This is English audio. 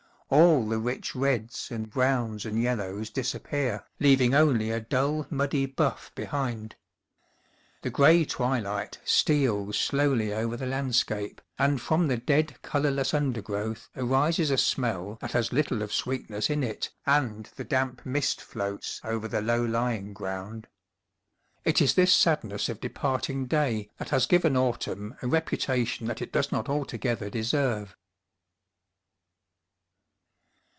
All the rich reds and browns and yellows disappear, leaving only a dull muddy buff behind. The grey twilight steals slowly over the landscape, and from the dead colourless undergrowth arises a smell that has little of sweet ness in it, and the damp mist floats over the low lying ground. It is this sadness of departing day that has given autumn a re putation that it does not altogether deserve.